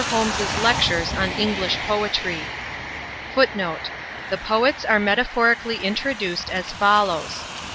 HOLMES'S LECTURES ON ENGLISH POETRY. [Footnote: The Poets are metaphorically introduced as follows.